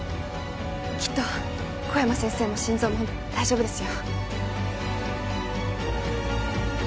きっと小山先生も心臓も大丈夫ですよ